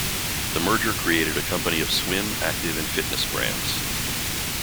The merger created a company of swim, active and fitness brands.